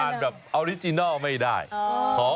นายคุณอ่านสิ